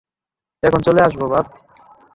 এখনি চলে আসবো, বাপ।